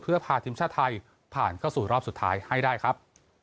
เพื่อพาทีมชาติไทยผ่านเข้าสู่รอบสุดท้ายให้ได้ครับ